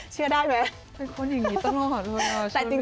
เชื่อได้ไหม